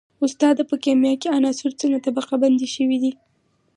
استاده په کیمیا کې عناصر څنګه طبقه بندي شوي دي